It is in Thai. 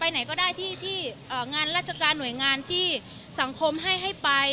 หน่วยงานที่สังคมให้ให้ไป